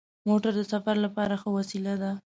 موټر د سفر لپاره ښه وسیله ده.